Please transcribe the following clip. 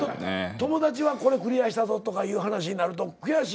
友達はこれクリアしたぞとかいう話になると悔しいもんな？